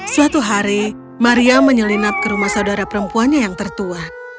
suatu hari maria menyelinap ke rumah saudara perempuannya yang tertua